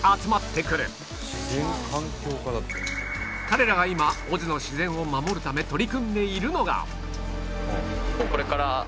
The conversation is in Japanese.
彼らが今尾瀬の自然を守るため取り組んでいるのが